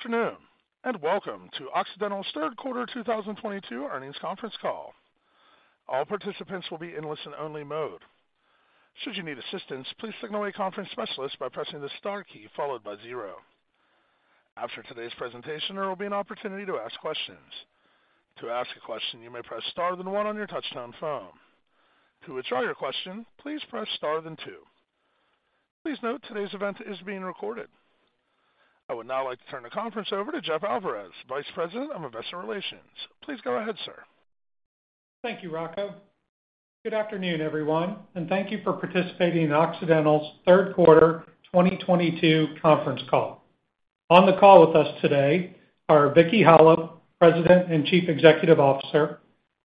Good afternoon, and welcome to Occidental's third quarter 2022 earnings conference call. All participants will be in listen-only mode. Should you need assistance, please signal a conference specialist by pressing the star key followed by zero. After today's presentation, there will be an opportunity to ask questions. To ask a question, you may press star then one on your touchtone phone. To withdraw your question, please press star then two. Please note today's event is being recorded. I would now like to turn the conference over to Jeff Alvarez, Vice President of Investor Relations. Please go ahead, sir. Thank you, Rocco. Good afternoon, everyone, and thank you for participating in Occidental's third quarter 2022 conference call. On the call with us today are Vicki Hollub, President and Chief Executive Officer,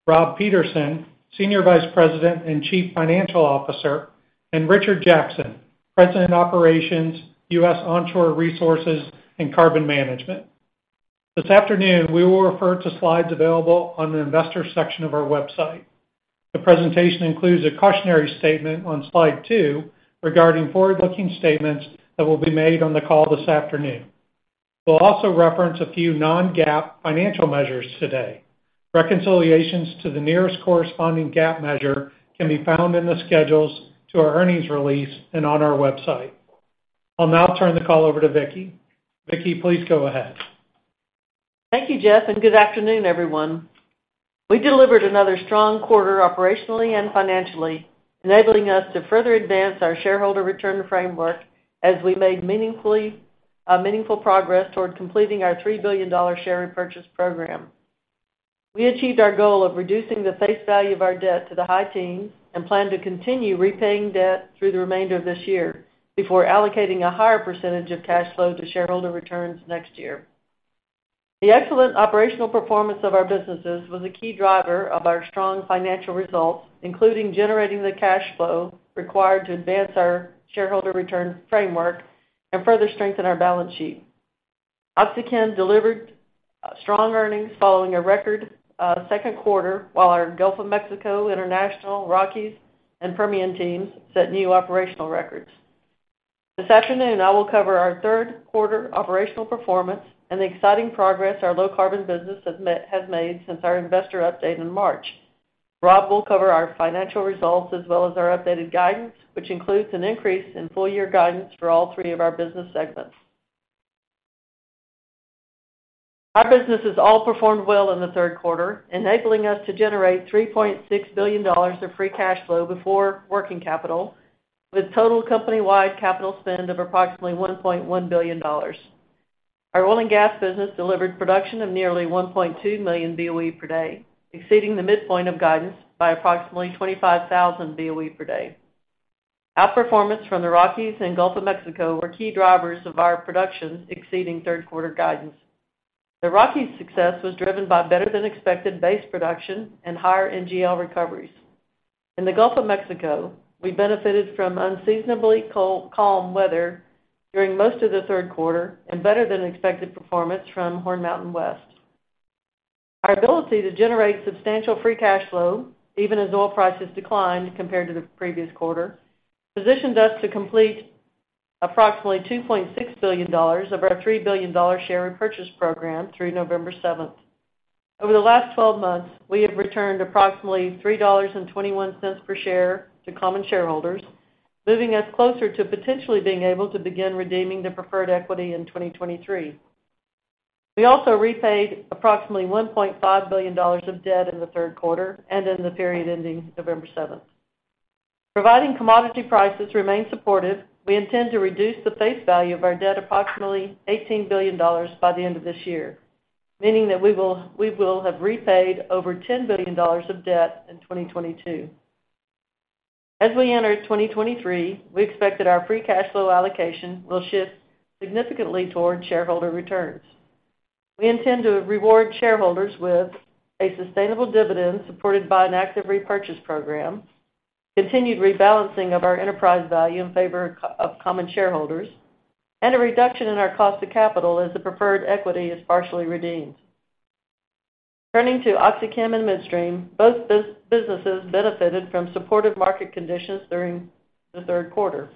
Rob Peterson, Senior Vice President and Chief Financial Officer, and Richard Jackson, President Operations, U.S. Onshore Resources and Carbon Management. This afternoon, we will refer to slides available on the Investors section of our website. The presentation includes a cautionary statement on slide two regarding forward-looking statements that will be made on the call this afternoon. We'll also reference a few non-GAAP financial measures today. Reconciliations to the nearest corresponding GAAP measure can be found in the schedules to our earnings release and on our website. I'll now turn the call over to Vicki. Vicki, please go ahead. Thank you, Jeff, and good afternoon, everyone. We delivered another strong quarter operationally and financially, enabling us to further advance our shareholder return framework as we made a meaningful progress toward completing our $3 billion share repurchase program. We achieved our goal of reducing the face value of our debt to the high teens and plan to continue repaying debt through the remainder of this year before allocating a higher percentage of cash flow to shareholder returns next year. The excellent operational performance of our businesses was a key driver of our strong financial results, including generating the cash flow required to advance our shareholder return framework and further strengthen our balance sheet. OxyChem delivered strong earnings following a record second quarter, while our Gulf of Mexico, International, Rockies, and Permian teams set new operational records. This afternoon, I will cover our third quarter operational performance and the exciting progress our low carbon business has made since our investor update in March. Rob will cover our financial results as well as our updated guidance, which includes an increase in full year guidance for all three of our business segments. Our businesses all performed well in the third quarter, enabling us to generate $3.6 billion of free cash flow before working capital, with total company-wide capital spend of approximately $1.1 billion. Our oil and gas business delivered production of nearly 1.2 million BOE per day, exceeding the midpoint of guidance by approximately 25,000 BOE per day. Outperformance from the Rockies and Gulf of Mexico were key drivers of our production exceeding third quarter guidance. The Rockies' success was driven by better than expected base production and higher NGL recoveries. In the Gulf of Mexico, we benefited from unseasonably calm weather during most of the third quarter and better than expected performance from Horn Mountain West. Our ability to generate substantial free cash flow, even as oil prices declined compared to the previous quarter, positioned us to complete approximately $2.6 billion of our $3 billion share repurchase program through November seventh. Over the last 12 months, we have returned approximately $3.21 per share to common shareholders, moving us closer to potentially being able to begin redeeming the preferred equity in 2023. We also repaid approximately $1.5 billion of debt in the third quarter and in the period ending November seventh. Providing commodity prices remain supportive, we intend to reduce the face value of our debt approximately $18 billion by the end of this year, meaning that we will have repaid over $10 billion of debt in 2022. As we enter 2023, we expect that our free cash flow allocation will shift significantly towards shareholder returns. We intend to reward shareholders with a sustainable dividend supported by an active repurchase program, continued rebalancing of our enterprise value in favor of common shareholders, and a reduction in our cost of capital as the preferred equity is partially redeemed. Turning to OxyChem and Midstream, both businesses benefited from supported market conditions during the third quarter.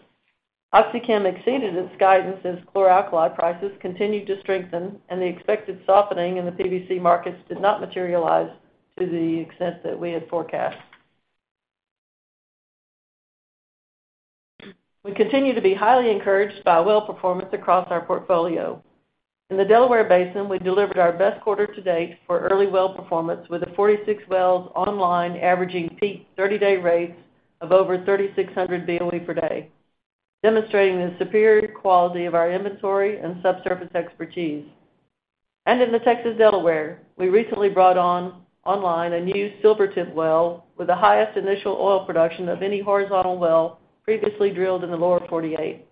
OxyChem exceeded its guidance as chlor-alkali prices continued to strengthen and the expected softening in the PVC markets did not materialize to the extent that we had forecast. We continue to be highly encouraged by well performance across our portfolio. In the Delaware Basin, we delivered our best quarter to date for early well performance with the 46 wells online averaging peak 30-day rates of over 3,600 BOE per day, demonstrating the superior quality of our inventory and subsurface expertise. In the Texas Delaware, we recently brought online a new Silvertip well with the highest initial oil production of any horizontal well previously drilled in the Lower 48.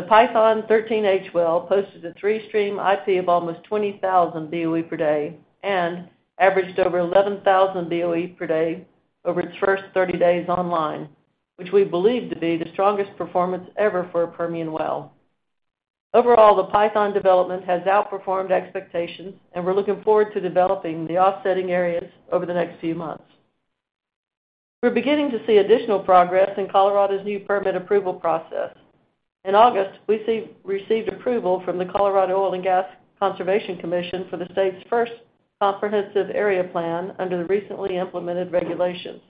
The Python 13H well posted a three-stream IP of almost 20,000 BOE per day and averaged over 11,000 BOE per day over its first 30 days online, which we believe to be the strongest performance ever for a Permian well. Overall, the Python development has outperformed expectations, and we're looking forward to developing the offsetting areas over the next few months. We're beginning to see additional progress in Colorado's new permit approval process. In August, we received approval from the Colorado Oil and Gas Conservation Commission for the state's first comprehensive area plan under the recently implemented regulations.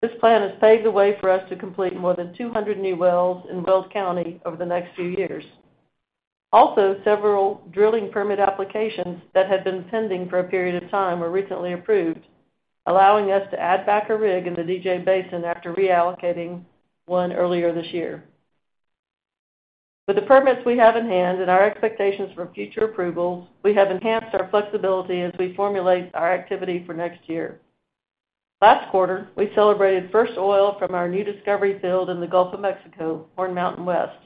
This plan has paved the way for us to complete more than 200 new wells in Weld County over the next few years. Also, several drilling permit applications that had been pending for a period of time were recently approved, allowing us to add back a rig in the DJ Basin after reallocating one earlier this year. With the permits we have in hand and our expectations for future approvals, we have enhanced our flexibility as we formulate our activity for next year. Last quarter, we celebrated first oil from our new discovery field in the Gulf of Mexico, Horn Mountain West.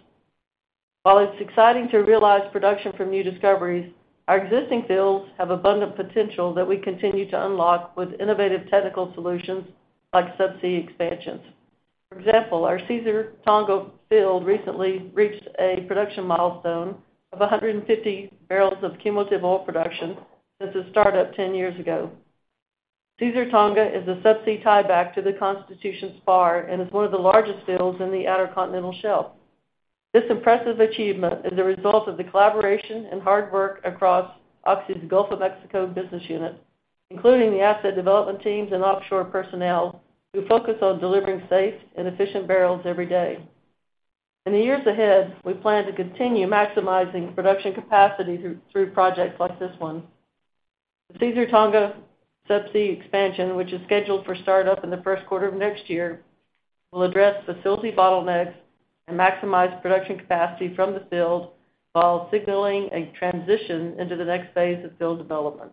While it's exciting to realize production from new discoveries, our existing fields have abundant potential that we continue to unlock with innovative technical solutions like subsea expansions. For example, our Caesar Tonga field recently reached a production milestone of 150 bbl of cumulative oil production since its startup 10 years ago. Caesar Tonga is a subsea tieback to the Constitution Spar and is one of the largest fields in the Outer Continental Shelf. This impressive achievement is a result of the collaboration and hard work across Oxy's Gulf of Mexico business unit, including the asset development teams and offshore personnel who focus on delivering safe and efficient barrels every day. In the years ahead, we plan to continue maximizing production capacity through projects like this one. The Caesar Tonga subsea expansion, which is scheduled for startup in the first quarter of next year, will address facility bottlenecks and maximize production capacity from the field while signaling a transition into the next phase of field development.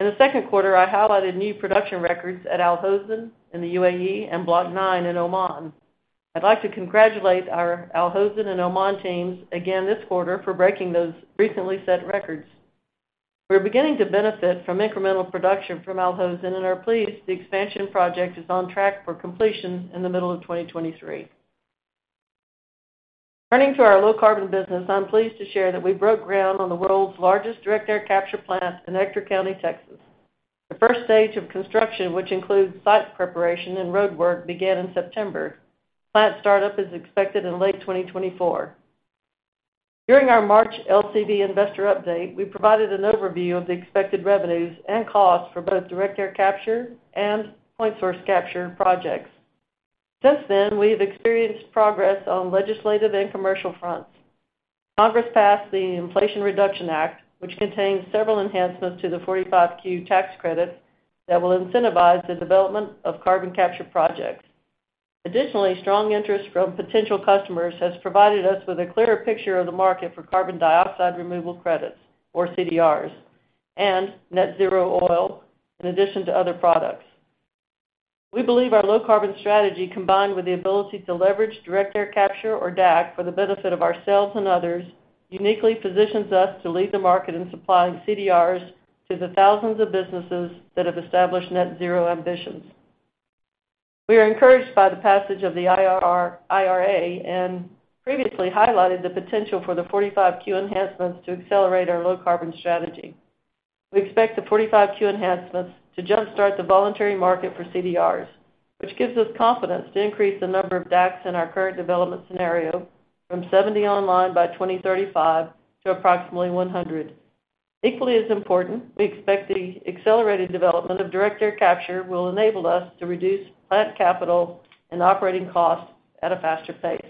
In the second quarter, I highlighted new production records at Al Hosn in the UAE and Block Nine in Oman. I'd like to congratulate our Al Hosn and Oman teams again this quarter for breaking those recently set records. We're beginning to benefit from incremental production from Al Hosn and are pleased the expansion project is on track for completion in the middle of 2023. Turning to our low carbon business, I'm pleased to share that we broke ground on the world's largest direct air capture plant in Ector County, Texas. The first stage of construction, which includes site preparation and roadwork, began in September. Plant startup is expected in late 2024. During our March OLCV investor update, we provided an overview of the expected revenues and costs for both direct air capture and point source capture projects. Since then, we have experienced progress on legislative and commercial fronts. Congress passed the Inflation Reduction Act, which contains several enhancements to the 45Q tax credit that will incentivize the development of carbon capture projects. Additionally, strong interest from potential customers has provided us with a clearer picture of the market for carbon dioxide removal credits, or CDRs, and net-zero oil, in addition to other products. We believe our low carbon strategy, combined with the ability to leverage direct air capture, or DAC, for the benefit of ourselves and others, uniquely positions us to lead the market in supplying CDRs to the thousands of businesses that have established net zero ambitions. We are encouraged by the passage of the IRA and previously highlighted the potential for the 45Q enhancements to accelerate our low carbon strategy. We expect the 45Q enhancements to jumpstart the voluntary market for CDRs, which gives us confidence to increase the number of DACs in our current development scenario from 70 online by 2035 to approximately 100. Equally as important, we expect the accelerated development of direct air capture will enable us to reduce plant capital and operating costs at a faster pace.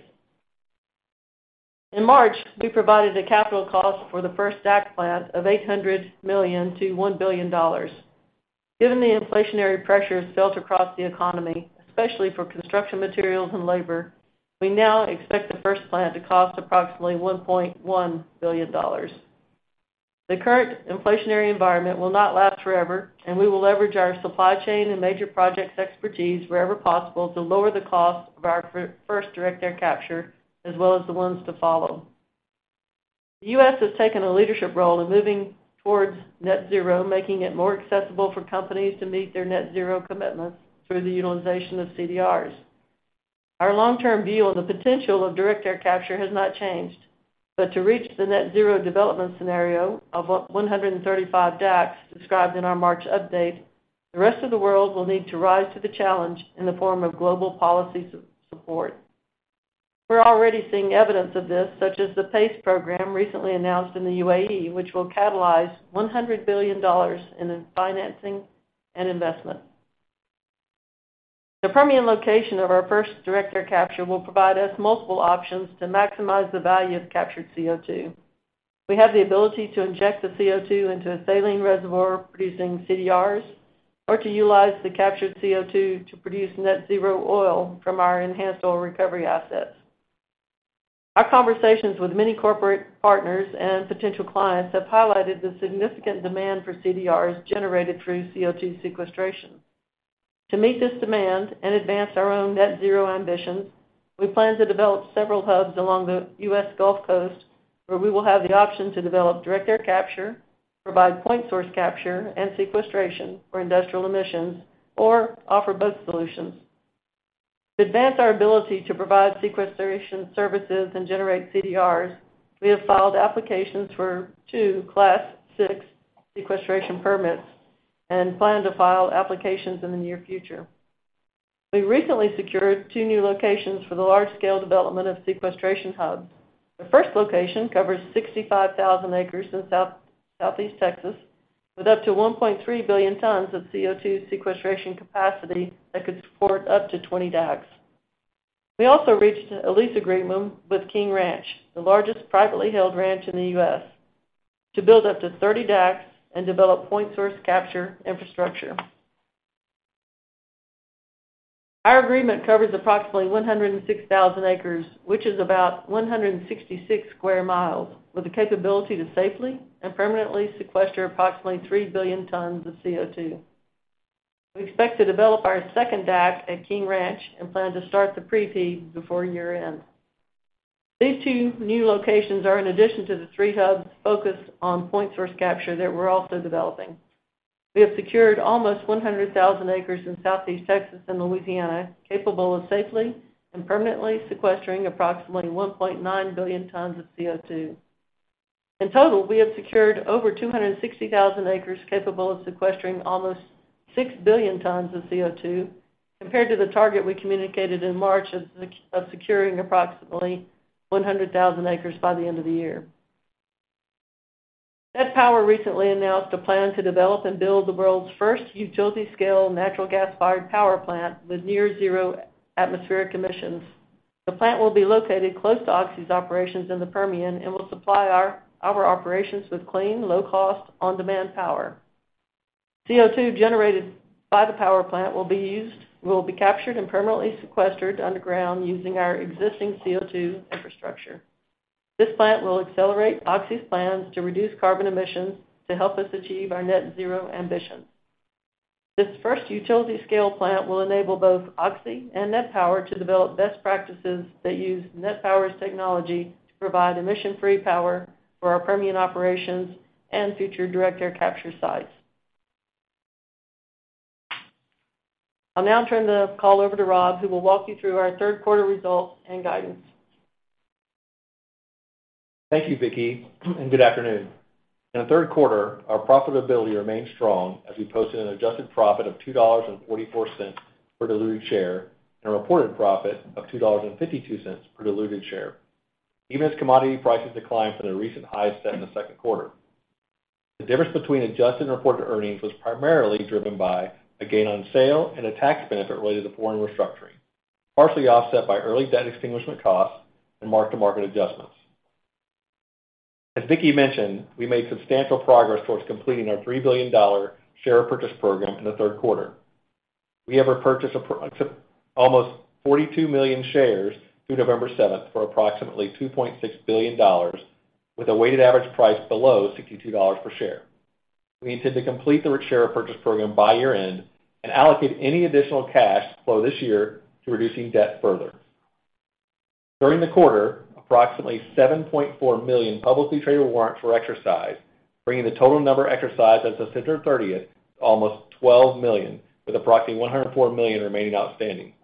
In March, we provided a capital cost for the first DAC plant of $800 million-$1 billion. Given the inflationary pressures felt across the economy, especially for construction materials and labor, we now expect the first plant to cost approximately $1.1 billion. The current inflationary environment will not last forever, and we will leverage our supply chain and major projects expertise wherever possible to lower the cost of our first direct air capture, as well as the ones to follow. The U.S. has taken a leadership role in moving towards net zero, making it more accessible for companies to meet their net zero commitments through the utilization of CDRs. Our long-term view of the potential of direct air capture has not changed, but to reach the net zero development scenario of 135 DACs described in our March update, the rest of the world will need to rise to the challenge in the form of global policy support. We're already seeing evidence of this, such as the PACE program recently announced in the UAE, which will catalyze $100 billion in financing and investment. The Permian location of our first direct air capture will provide us multiple options to maximize the value of captured CO2. We have the ability to inject the CO2 into a saline reservoir producing CDRs, or to utilize the captured CO2 to produce net-zero oil from our enhanced oil recovery assets. Our conversations with many corporate partners and potential clients have highlighted the significant demand for CDRs generated through CO2 sequestration. To meet this demand and advance our own net zero ambitions, we plan to develop several hubs along the U.S. Gulf Coast, where we will have the option to develop direct air capture, provide point source capture and sequestration for industrial emissions, or offer both solutions. To advance our ability to provide sequestration services and generate CDRs, we have filed applications for two Class VI sequestration permits and plan to file applications in the near future. We recently secured two new locations for the large-scale development of sequestration hubs. The first location covers 65,000 acres in Southeast Texas, with up to 1.3 billion tons of CO2 sequestration capacity that could support up to 20 DACs. We also reached a lease agreement with King Ranch, the largest privately held ranch in the U.S., to build up to 30 DACs and develop point source capture infrastructure. Our agreement covers approximately 106,000 acres, which is about 166 sq mi, with the capability to safely and permanently sequester approximately 3 billion tons of CO2. We expect to develop our second DAC at King Ranch and plan to start the pre-FEED before year-end. These two new locations are in addition to the three hubs focused on point source capture that we're also developing. We have secured almost 100,000 acres in Southeast Texas and Louisiana, capable of safely and permanently sequestering approximately 1.9 billion tons of CO2. In total, we have secured over 260,000 acres capable of sequestering almost 6 billion tons of CO2, compared to the target we communicated in March of securing approximately 100,000 acres by the end of the year. NET Power recently announced a plan to develop and build the world's first utility-scale natural gas-fired power plant with near zero atmospheric emissions. The plant will be located close to Oxy's operations in the Permian and will supply our operations with clean, low-cost, on-demand power. CO2 generated by the power plant will be captured and permanently sequestered underground using our existing CO2 infrastructure. This plant will accelerate Oxy's plans to reduce carbon emissions to help us achieve our net zero ambition. This first utility-scale plant will enable both Oxy and NET Power to develop best practices that use NET Power's technology to provide emission-free power for our Permian operations and future direct air capture sites. I'll now turn the call over to Rob, who will walk you through our third quarter results and guidance. Thank you, Vicki, and good afternoon. In the third quarter, our profitability remained strong as we posted an adjusted profit of $2.44 per diluted share and a reported profit of $2.52 per diluted share, even as commodity prices declined from the recent highs set in the second quarter. The difference between adjusted and reported earnings was primarily driven by a gain on sale and a tax benefit related to foreign restructuring, partially offset by early debt extinguishment costs and mark-to-market adjustments. As Vicki mentioned, we made substantial progress towards completing our $3 billion share repurchase program in the third quarter. We have repurchased almost 42 million shares through November seventh for approximately $2.6 billion with a weighted average price below $62 per share. We intend to complete the share repurchase program by year-end and allocate any additional cash flow this year to reducing debt further. During the quarter, approximately 7.4 million publicly traded warrants were exercised, bringing the total number exercised as of September thirtieth to almost 12 million, with approximately 104 million remaining outstanding.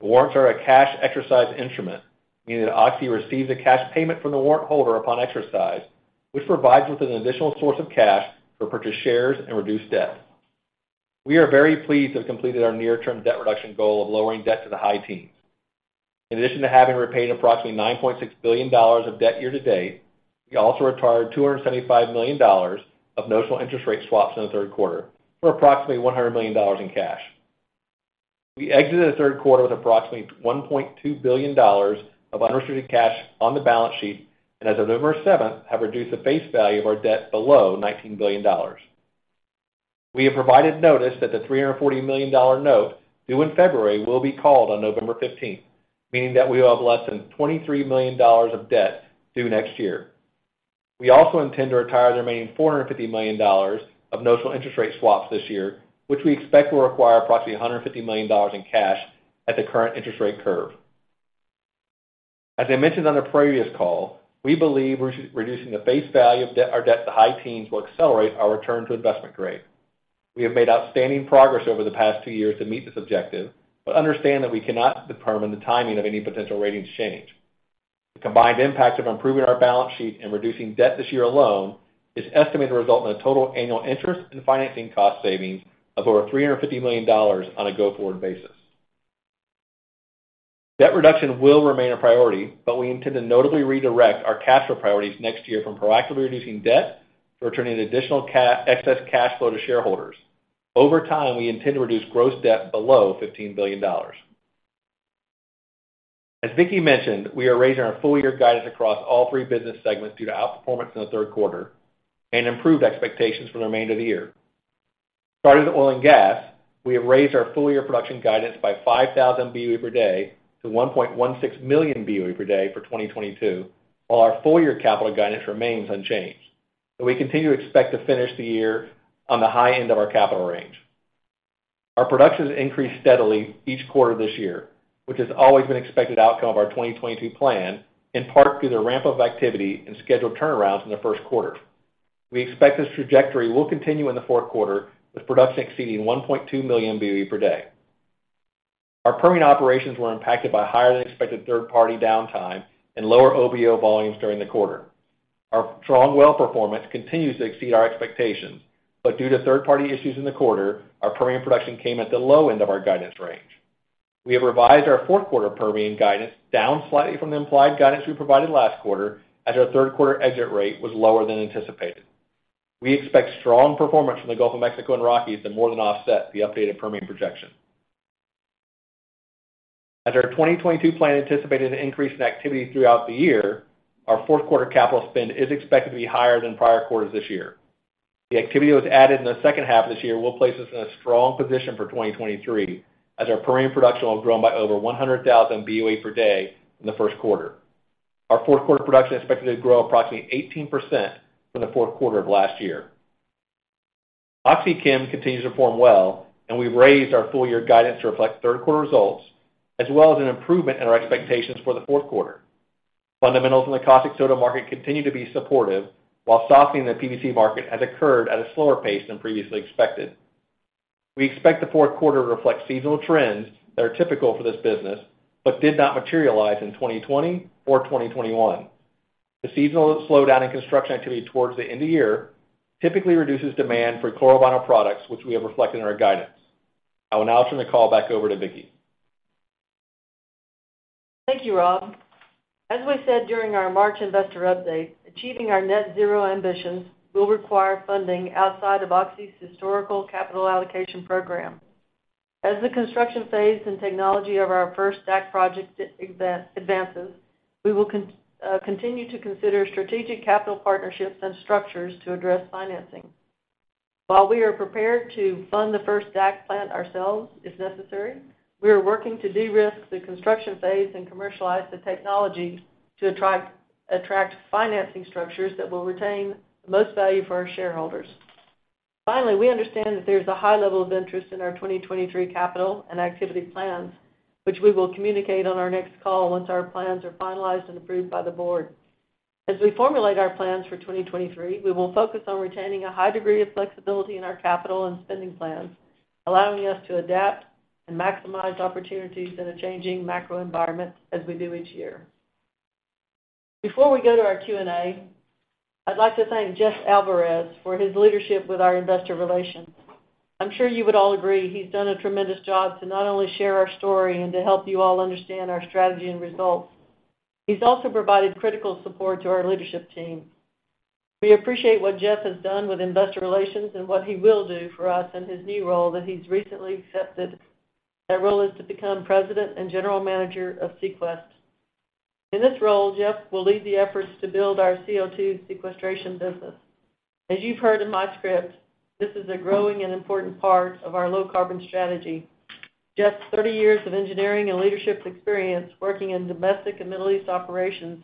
The warrants are a cash exercise instrument, meaning that Oxy receives a cash payment from the warrant holder upon exercise, which provides us an additional source of cash to purchase shares and reduce debt. We are very pleased to have completed our near-term debt reduction goal of lowering debt to the high teens. In addition to having repaid approximately $9.6 billion of debt year to date, we also retired $275 million of notional interest rate swaps in the third quarter for approximately $100 million in cash. We exited the third quarter with approximately $1.2 billion of unrestricted cash on the balance sheet and as of November seventh have reduced the face value of our debt below $19 billion. We have provided notice that the $340 million note due in February will be called on November fifteenth, meaning that we have less than $23 million of debt due next year. We also intend to retire the remaining $450 million of notional interest rate swaps this year, which we expect will require approximately $150 million in cash at the current interest rate curve. As I mentioned on a previous call, we believe reducing the face value of our debt to high teens will accelerate our return to investment grade. We have made outstanding progress over the past two years to meet this objective, but understand that we cannot determine the timing of any potential ratings change. The combined impact of improving our balance sheet and reducing debt this year alone is estimated to result in a total annual interest and financing cost savings of over $350 million on a go-forward basis. Debt reduction will remain a priority, but we intend to notably redirect our cash flow priorities next year from proactively reducing debt to returning additional excess cash flow to shareholders. Over time, we intend to reduce gross debt below $15 billion. As Vicki mentioned, we are raising our full year guidance across all three business segments due to outperformance in the third quarter and improved expectations for the remainder of the year. Starting with oil and gas, we have raised our full year production guidance by 5,000 BOE per day to 1.16 million BOE per day for 2022, while our full year capital guidance remains unchanged, and we continue to expect to finish the year on the high end of our capital range. Our production's increased steadily each quarter this year, which has always been expected outcome of our 2022 plan, in part due to the ramp of activity and scheduled turnarounds in the first quarter. We expect this trajectory will continue in the fourth quarter, with production exceeding 1.2 million BOE per day. Our Permian operations were impacted by higher than expected third-party downtime and lower OBO volumes during the quarter. Our strong well performance continues to exceed our expectations, but due to third-party issues in the quarter, our Permian production came at the low end of our guidance range. We have revised our fourth quarter Permian guidance down slightly from the implied guidance we provided last quarter, as our third quarter exit rate was lower than anticipated. We expect strong performance from the Gulf of Mexico and Rockies to more than offset the updated Permian projection. As our 2022 plan anticipated an increase in activity throughout the year, our fourth quarter capital spend is expected to be higher than prior quarters this year. The activity that was added in the second half of this year will place us in a strong position for 2023, as our Permian production will have grown by over 100,000 BOE per day in the first quarter. Our fourth quarter production is expected to grow approximately 18% from the fourth quarter of last year. OxyChem continues to perform well, and we've raised our full year guidance to reflect third quarter results, as well as an improvement in our expectations for the fourth quarter. Fundamentals in the caustic soda market continue to be supportive, while softening in the PVC market has occurred at a slower pace than previously expected. We expect the fourth quarter to reflect seasonal trends that are typical for this business, but did not materialize in 2020 or 2021. The seasonal slowdown in construction activity towards the end of year typically reduces demand for chlorovinyls products, which we have reflected in our guidance. I will now turn the call back over to Vicki. Thank you, Rob. As we said during our March investor update, achieving our net-zero ambitions will require funding outside of Oxy's historical capital allocation program. As the construction phase and technology of our first DAC project advances, we will continue to consider strategic capital partnerships and structures to address financing. While we are prepared to fund the first DAC plant ourselves if necessary, we are working to de-risk the construction phase and commercialize the technology to attract financing structures that will retain the most value for our shareholders. Finally, we understand that there's a high level of interest in our 2023 capital and activity plans, which we will communicate on our next call once our plans are finalized and approved by the board. As we formulate our plans for 2023, we will focus on retaining a high degree of flexibility in our capital and spending plans, allowing us to adapt and maximize opportunities in a changing macro environment as we do each year. Before we go to our Q&A, I'd like to thank Jeff Alvarez for his leadership with our investor relations. I'm sure you would all agree he's done a tremendous job to not only share our story and to help you all understand our strategy and results. He's also provided critical support to our leadership team. We appreciate what Jeff has done with investor relations and what he will do for us in his new role that he's recently accepted. That role is to become President and General Manager of Sequest. In this role, Jeff will lead the efforts to build our CO2 sequestration business. As you've heard in my script, this is a growing and important part of our low carbon strategy. Jeff's 30 years of engineering and leadership experience working in domestic and Middle East operations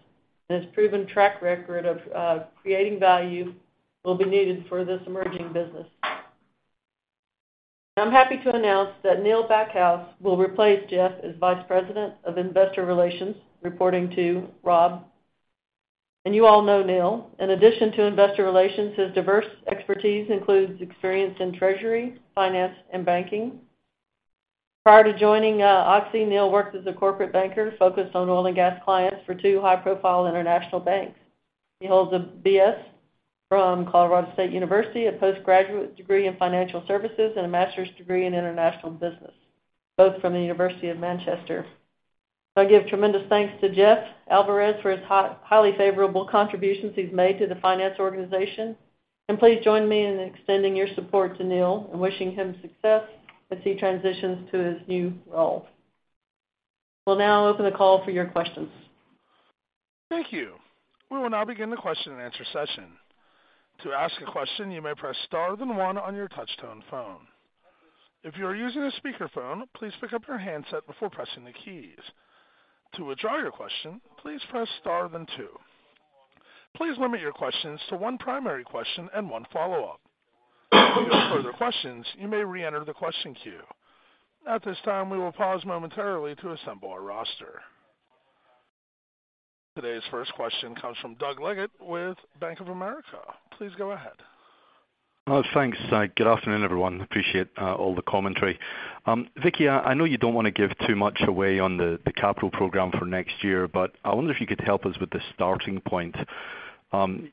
and his proven track record of creating value will be needed for this emerging business. I'm happy to announce that Neil Backhouse will replace Jeff as Vice President of Investor Relations, reporting to Rob. You all know Neil. In addition to investor relations, his diverse expertise includes experience in treasury, finance, and banking. Prior to joining Oxy, Neil worked as a corporate banker focused on oil and gas clients for two high-profile international banks. He holds a BS from Colorado State University, a postgraduate degree in financial services, and a master's degree in international business, both from The University of Manchester. I give tremendous thanks to Jeff Alvarez for his highly favorable contributions he's made to the finance organization, and please join me in extending your support to Neil and wishing him success as he transitions to his new role. We'll now open the call for your questions. Thank you. We will now begin the question-and-answer session. To ask a question, you may press star then one on your touch-tone phone. If you are using a speakerphone, please pick up your handset before pressing the keys. To withdraw your question, please press star then two. Please limit your questions to one primary question and one follow-up. If you have further questions, you may reenter the question queue. At this time, we will pause momentarily to assemble our roster. Today's first question comes from Doug Leggate with Bank of America. Please go ahead. Thanks. Good afternoon, everyone. Appreciate all the commentary. Vicki, I know you don't wanna give too much away on the capital program for next year, but I wonder if you could help us with the starting point.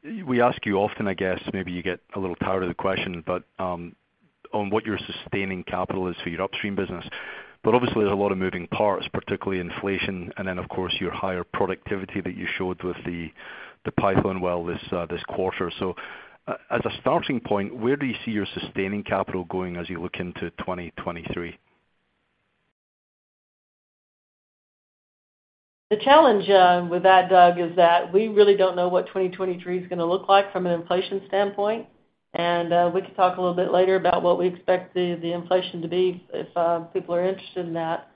We ask you often, I guess, maybe you get a little tired of the question, but on what your sustaining capital is for your upstream business. Obviously, there's a lot of moving parts, particularly inflation, and then, of course, your higher productivity that you showed with the Python Well this quarter. As a starting point, where do you see your sustaining capital going as you look into 2023? The challenge, with that, Doug, is that we really don't know what 2023 is gonna look like from an inflation standpoint. We can talk a little bit later about what we expect the inflation to be if people are interested in that.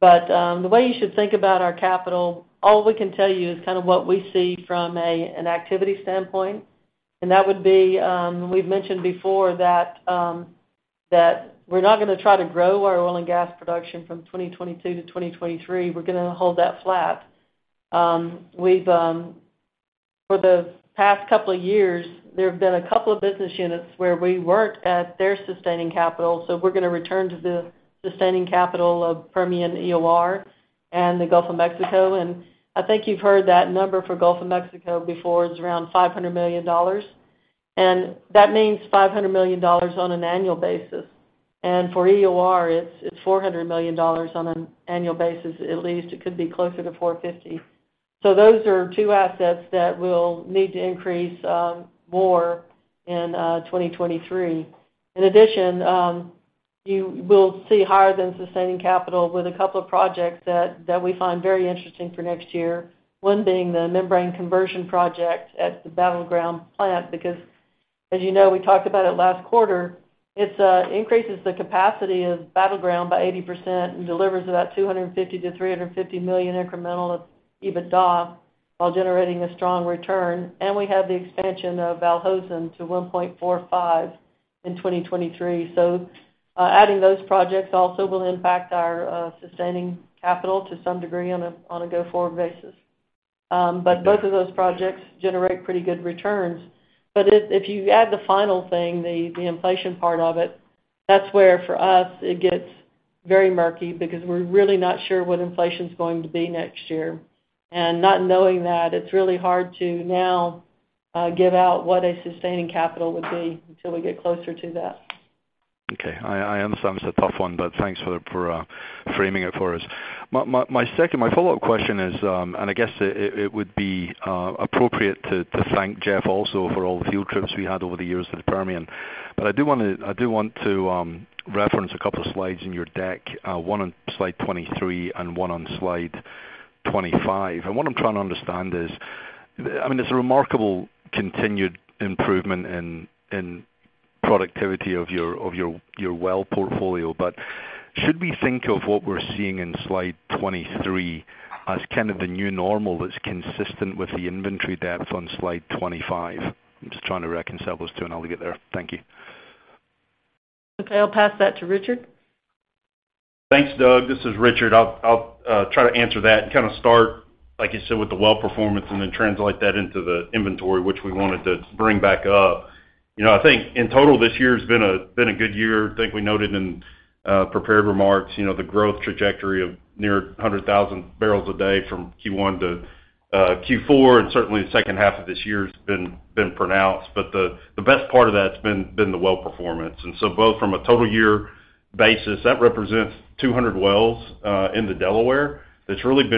The way you should think about our capital, all we can tell you is kind of what we see from an activity standpoint. That would be, we've mentioned before that we're not gonna try to grow our oil and gas production from 2022 to 2023. We're gonna hold that flat. For the past couple of years, there have been a couple of business units where we weren't at their sustaining capital, so we're gonna return to the sustaining capital of Permian EOR and the Gulf of Mexico. I think you've heard that number for Gulf of Mexico before is around $500 million. That means $500 million on an annual basis. For EOR, it's $400 million on an annual basis, at least. It could be closer to $450. Those are two assets that will need to increase more in 2023. In addition, you will see higher than sustaining capital with a couple of projects that we find very interesting for next year, one being the membrane conversion project at the Battleground plant, because as you know, we talked about it last quarter. It increases the capacity of Battleground by 80% and delivers about $250 million-$350 million incremental of EBITDA while generating a strong return. We have the expansion of Al Hosn to 1.45 in 2023. Adding those projects also will impact our sustaining capital to some degree on a go-forward basis. Both of those projects generate pretty good returns. If you add the final thing, the inflation part of it, that's where, for us, it gets very murky because we're really not sure what inflation's going to be next year. Not knowing that, it's really hard to now give out what a sustaining capital would be until we get closer to that. I understand it's a tough one, but thanks for framing it for us. My follow-up question is, and I guess it would be appropriate to thank Jeff also for all the field trips we had over the years to the Permian. I want to reference a couple slides in your deck, one on slide 23 and one on slide 25. What I'm trying to understand is, I mean, it's a remarkable continued improvement in productivity of your well portfolio. Should we think of what we're seeing in slide 23 as kind of the new normal that's consistent with the inventory depth on slide 25? I'm just trying to reconcile those two, and I'll get there. Thank you. Okay, I'll pass that to Richard. Thanks, Doug. This is Richard. I'll try to answer that and kind of start, like you said, with the well performance and then translate that into the inventory, which we wanted to bring back up. You know, I think in total, this year's been a good year. I think we noted in prepared remarks, you know, the growth trajectory of near 100,000 bbl a day from Q1-Q4, and certainly the second half of this year's been pronounced. But the best part of that's been the well performance. Both from a total year basis, that represents 200 wells in the Delaware that's really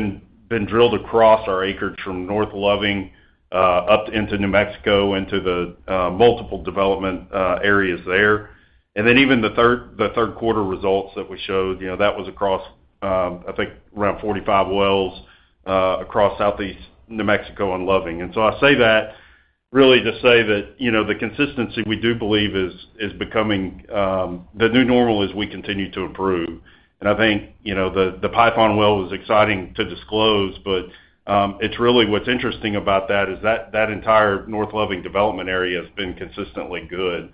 been drilled across our acreage from North Loving up into New Mexico into the multiple development areas there. Even the third quarter results that we showed, you know, that was across, I think around 45 wells, across Southeast New Mexico and Loving. I say that really to say that, you know, the consistency we do believe is becoming the new normal as we continue to improve. I think, you know, the Python well was exciting to disclose, but it's really what's interesting about that is that that entire North Loving development area has been consistently good.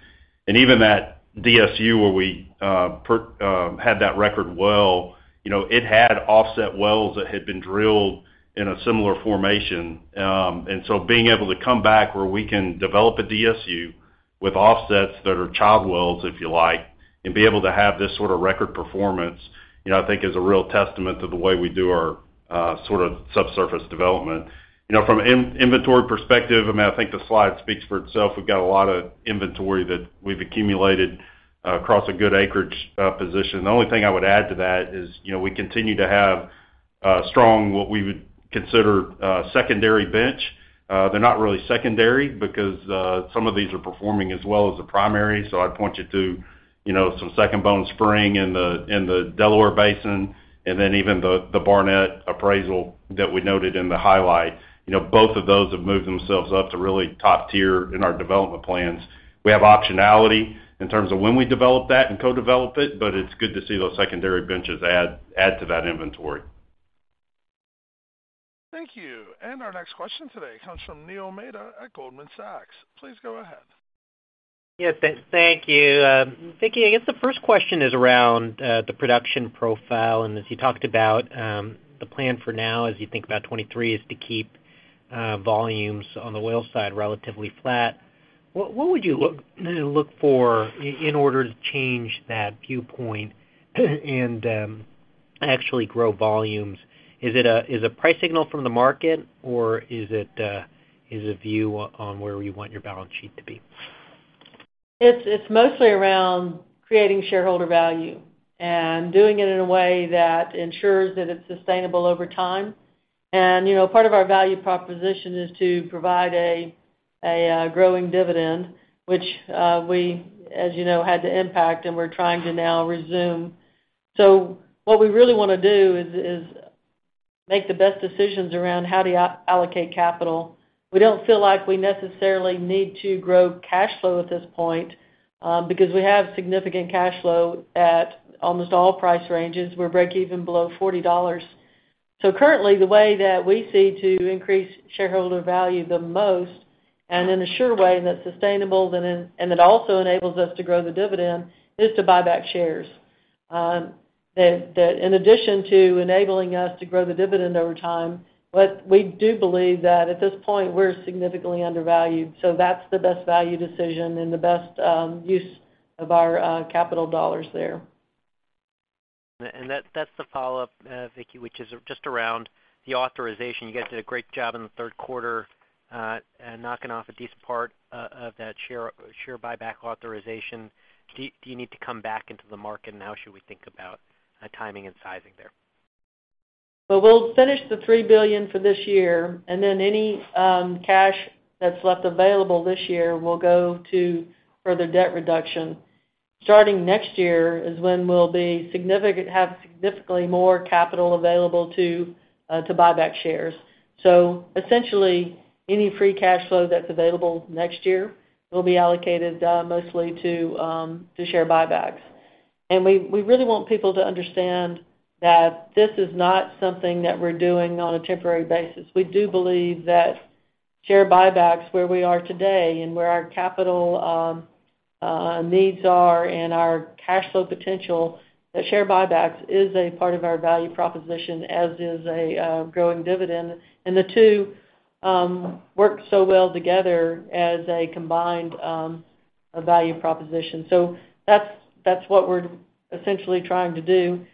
Even that DSU where we had that record well, you know, it had offset wells that had been drilled in a similar formation. Being able to come back where we can develop a DSU with offsets that are child wells, if you like, and be able to have this sort of record performance, you know, I think is a real testament to the way we do our sort of subsurface development. You know, from an inventory perspective, I mean, I think the slide speaks for itself. We've got a lot of inventory that we've accumulated across a good acreage position. The only thing I would add to that is, you know, we continue to have strong, what we would consider, secondary bench. They're not really secondary because some of these are performing as well as the primary. I'd point you to, you know, some Second Bone Spring in the Delaware Basin, and then even the Barnett appraisal that we noted in the highlight. You know, both of those have moved themselves up to really top tier in our development plans. We have optionality in terms of when we develop that and co-develop it, but it's good to see those secondary benches add to that inventory. Thank you. Our next question today comes from Neil Mehta at Goldman Sachs. Please go ahead. Yeah. Thank you. Vicki, I guess the first question is around the production profile. As you talked about, the plan for now, as you think about 2023, is to keep volumes on the oil side relatively flat. What would you look for in order to change that viewpoint and actually grow volumes? Is it price signal from the market, or is it view on where you want your balance sheet to be? It's mostly around creating shareholder value and doing it in a way that ensures that it's sustainable over time. You know, part of our value proposition is to provide a growing dividend, which we, as you know, had to impact and we're trying to now resume. What we really wanna do is make the best decisions around how do you allocate capital. We don't feel like we necessarily need to grow cash flow at this point, because we have significant cash flow at almost all price ranges. We're breakeven below $40. Currently, the way that we see to increase shareholder value the most, and in a sure way that's sustainable and it also enables us to grow the dividend, is to buy back shares. That in addition to enabling us to grow the dividend over time, but we do believe that at this point, we're significantly undervalued, so that's the best value decision and the best use of our capital dollars there. That's the follow-up, Vicki, which is just around the authorization. You guys did a great job in the third quarter, knocking off a decent part of that share buyback authorization. Do you need to come back into the market? How should we think about timing and sizing there? We'll finish the $3 billion for this year, and then any cash that's left available this year will go to further debt reduction. Starting next year is when we'll have significantly more capital available to buy back shares. Essentially, any free cash flow that's available next year will be allocated mostly to share buybacks. We really want people to understand that this is not something that we're doing on a temporary basis. We do believe that share buybacks, where we are today and where our capital needs are and our cash flow potential, that share buybacks is a part of our value proposition, as is a growing dividend. The two work so well together as a combined value proposition. That's what we're essentially trying to do.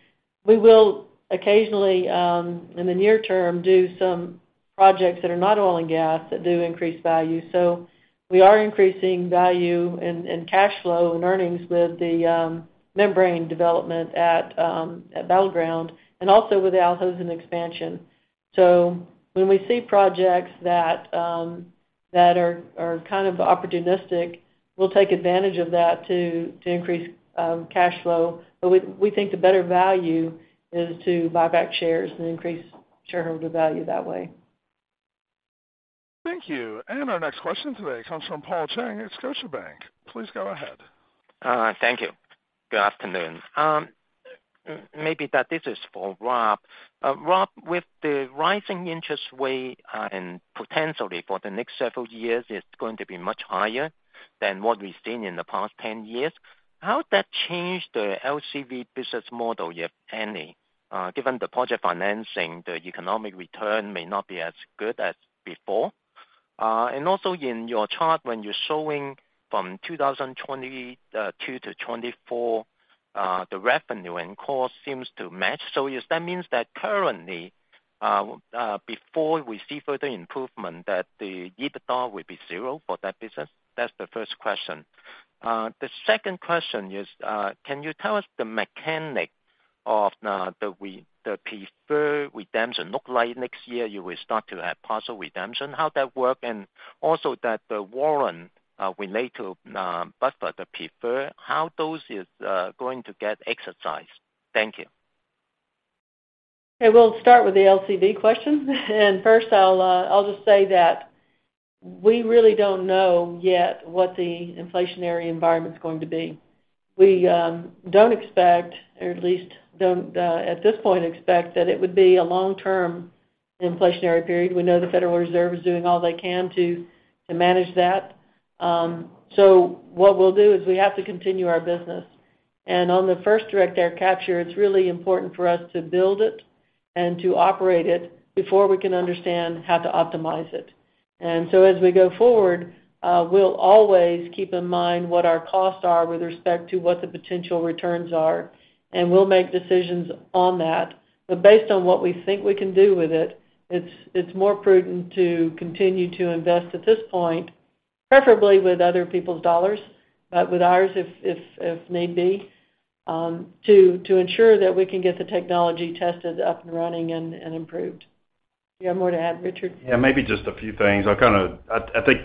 We will occasionally, in the near term, do some projects that are not oil and gas that do increase value. We are increasing value and cash flow and earnings with the membrane development at Battleground and also with the Al Hosn expansion. When we see projects that are kind of opportunistic, we'll take advantage of that to increase cash flow. We think the better value is to buy back shares and increase shareholder value that way. Thank you. Our next question today comes from Paul Cheng at Scotiabank. Please go ahead. Thank you. Good afternoon. Maybe this is for Rob. Rob, with the rising interest rate, and potentially for the next several years, it's going to be much higher than what we've seen in the past 10 years. How would that change the OLCV business model, if any? Given the project financing, the economic return may not be as good as before. Also in your chart, when you're showing from 2022 to 2024, the revenue and cost seems to match. Does that mean that currently, before we see further improvement, that the EBITDA will be zero for that business? That's the first question. The second question is, can you tell us the mechanics of the preferred redemption? It looks like next year, you will start to have partial redemption. How's that work? Also, how the warrant relate to Berkshire, the preferred, how those is going to get exercised? Thank you. Okay, we'll start with the OLCV question. First, I'll just say that we really don't know yet what the inflationary environment's going to be. We don't expect, or at least don't, at this point expect that it would be a long-term inflationary period. We know the Federal Reserve is doing all they can to manage that. What we'll do is we have to continue our business. On the first Direct Air Capture, it's really important for us to build it and to operate it before we can understand how to optimize it. As we go forward, we'll always keep in mind what our costs are with respect to what the potential returns are, and we'll make decisions on that. Based on what we think we can do with it's more prudent to continue to invest at this point, preferably with other people's dollars, but with ours if need be, to ensure that we can get the technology tested up and running and improved. Do you have more to add, Richard? Yeah, maybe just a few things. I think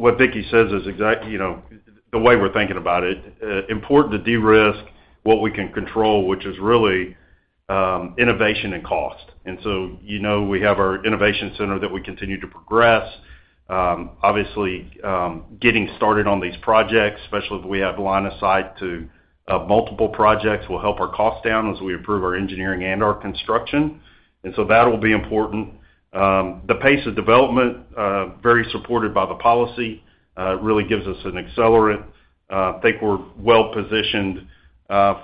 what Vicki says is exact. You know, the way we're thinking about it, important to de-risk what we can control, which is really, innovation and cost. You know, we have our innovation center that we continue to progress. Obviously, getting started on these projects, especially if we have line of sight to multiple projects, will help our costs down as we improve our engineering and our construction. That'll be important. The pace of development, very supported by the policy, really gives us an accelerant. Think we're well-positioned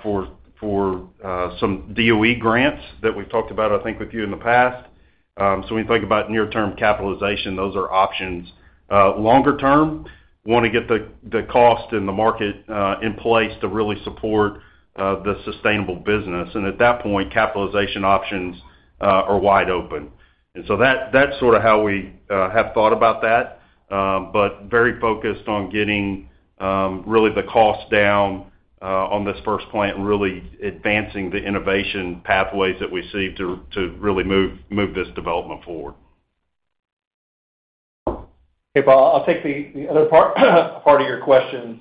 for some DOE grants that we've talked about, I think, with you in the past. When you think about near-term capitalization, those are options. Longer term, wanna get the cost and the market in place to really support the sustainable business. At that point, capitalization options are wide open. That's sorta how we have thought about that, but very focused on getting really the cost down on this first plant and really advancing the innovation pathways that we see to really move this development forward. Okay, Paul, I'll take the other part of your questions.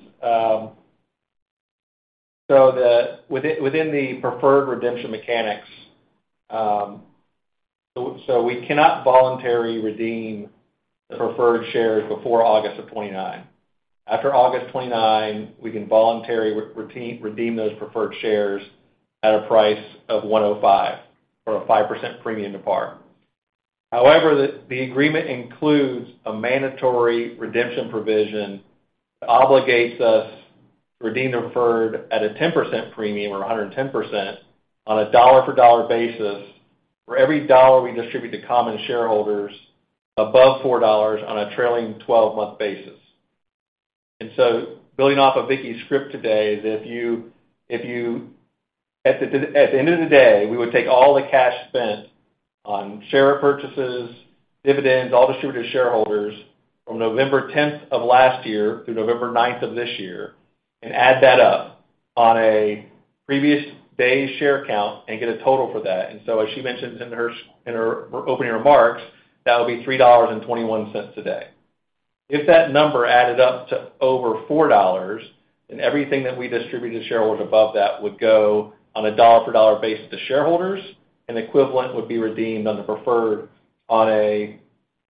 Within the preferred redemption mechanics, we cannot voluntarily redeem the preferred shares before August of 2029. After August 2029, we can voluntarily redeem those preferred shares at a price of 105 or a 5% premium to par. However, the agreement includes a mandatory redemption provision that obligates us to redeem the preferred at a 10% premium or 110% on a dollar-for-dollar basis for every dollar we distribute to common shareholders above $4 on a trailing twelve-month basis. Building off of Vicki's script today. At the end of the day, we would take all the cash spent on share repurchases, dividends, all distributions to shareholders from November tenth of last year through November ninth of this year and add that up on a per-share basis and get a total for that. As she mentioned in her opening remarks, that would be $3.21 today. If that number added up to over $4, then everything that we distributed to shareholders above that would go on a dollar-for-dollar basis to shareholders, and equivalent would be redeemed on the preferred on a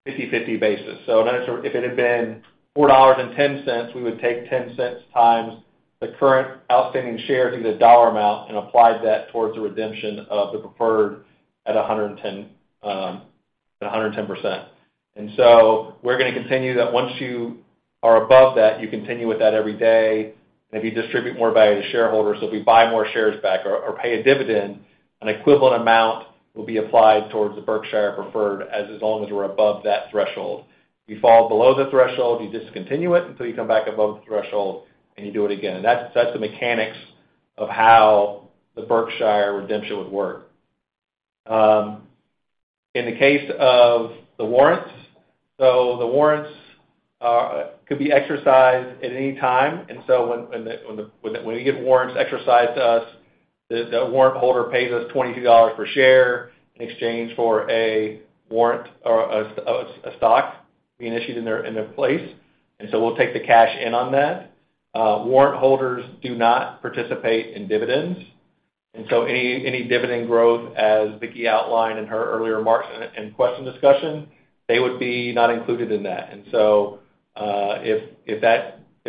50/50 basis. If it had been $4.10, we would take $0.10 times the current outstanding shares to get a dollar amount and apply that towards the redemption of the preferred at 110%. We're gonna continue that once you are above that. You continue with that every day, and if you distribute more value to shareholders, if we buy more shares back or pay a dividend, an equivalent amount will be applied towards the Berkshire preferred as long as we're above that threshold. If you fall below the threshold, you discontinue it until you come back above the threshold, and you do it again. That's the mechanics of how the Berkshire redemption would work. In the case of the warrants. The warrants could be exercised at any time. When you get warrants exercised to us, the warrant holder pays us $22 per share in exchange for a warrant or a stock being issued in their place. We'll take the cash in on that. Warrant holders do not participate in dividends, and so any dividend growth, as Vicki Hollub outlined in her earlier remarks and question discussion, they would be not included in that.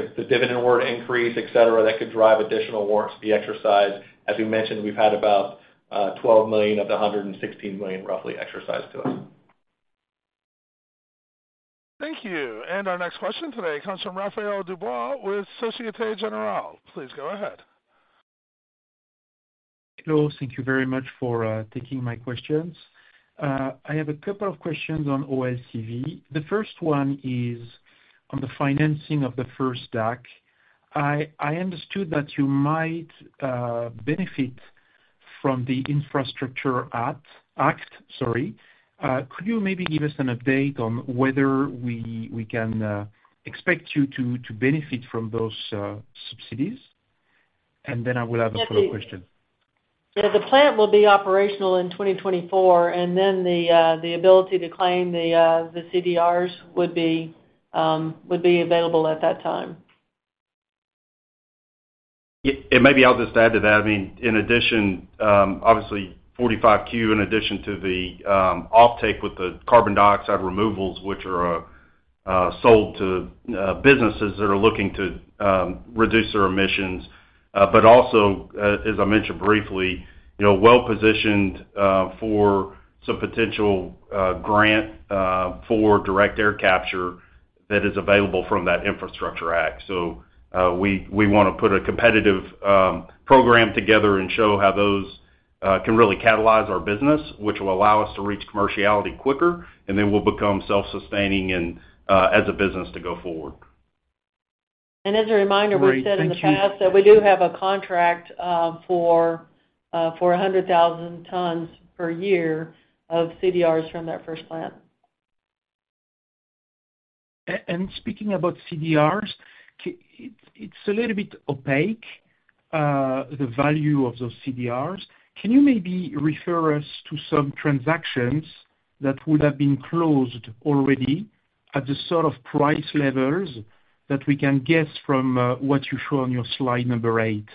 If the dividend were to increase, et cetera, that could drive additional warrants to be exercised. As we mentioned, we've had about $12 million of the $116 million roughly exercised to us. Thank you. Our next question today comes from Raphaël Dubois with Société Générale. Please go ahead. Hello. Thank you very much for taking my questions. I have a couple of questions on OLCV. The first one is on the financing of the first DAC. I understood that you might benefit from the Infrastructure Act, sorry. Could you maybe give us an update on whether we can expect you to benefit from those subsidies? I will have a follow-up question. Yeah. Yeah, the plant will be operational in 2024, and then the ability to claim the CDRs would be available at that time. Yeah. Maybe I'll just add to that. I mean, in addition, obviously, 45Q, in addition to the offtake with the carbon dioxide removals, which are sold to businesses that are looking to reduce their emissions. But also, as I mentioned briefly, you know, well-positioned for some potential grant for direct air capture that is available from that Infrastructure Act. We wanna put a competitive program together and show how those can really catalyze our business, which will allow us to reach commerciality quicker, and then we'll become self-sustaining and as a business to go forward. As a reminder, we've said in the past that we do have a contract for 100,000 tons per year of CDRs from that first plant. Speaking about CDRs, it's a little bit opaque, the value of those CDRs. Can you maybe refer us to some transactions that would have been closed already at the sort of price levels that we can guess from what you show on your slide number eight?